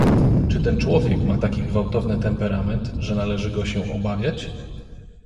"Czy ten człowiek ma taki gwałtowny temperament, że należy go się obawiać?"